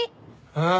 ああ。